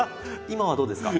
今はどうですか？